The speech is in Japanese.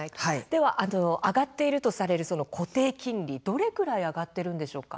上がっているとされる固定金利どれくらい上がっているんでしょうか。